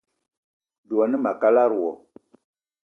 Dwé a ne ma a kalada wo.